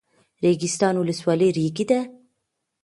ریګستان ولسوالۍ ریګي ده؟